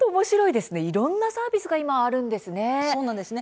いろいろなサービスがあるんですね。